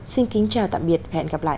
xin kính chào tạm biệt và hẹn gặp lại